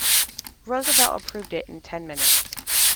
Roosevelt approved it in ten minutes.